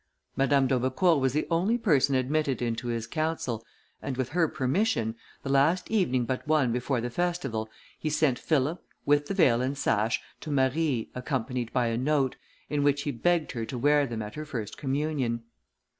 Madame d'Aubecourt was the only person admitted into his council, and with her permission, the last evening but one before the festival, he sent Philip, with the veil and sash, to Marie, accompanied by a note, in which he begged her to wear them at her first communion.